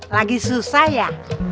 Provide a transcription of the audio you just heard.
lagi susah ya